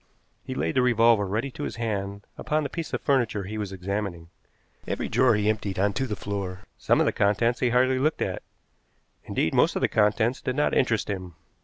He laid the revolver ready to his hand upon the piece of furniture he was examining. Every drawer he emptied on to the floor. Some of the contents he hardly looked at. Indeed, most of the contents did not interest him.